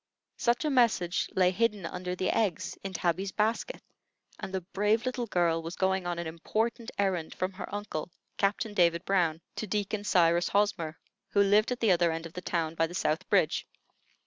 Such a message lay hidden under the eggs in Tabby's basket, and the brave little girl was going on an important errand from her uncle, Captain David Brown, to Deacon Cyrus Hosmer, who lived at the other end of the town, by the South Bridge.